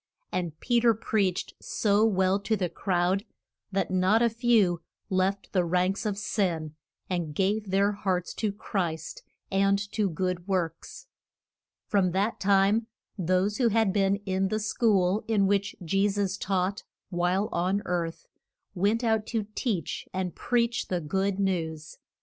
And Pe ter preached so well to the crowd that not a few left the ranks of sin and gave their hearts to Christ, and to good works. From that time those who had been in the school in which Je sus taught while on earth went out to teach and preach the good news.